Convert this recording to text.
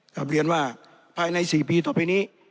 กลับเรียนว่าภายใน๔ปีต่อไปนี้